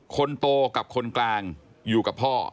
คนโตกับคนกลางอยู่กับพ่อ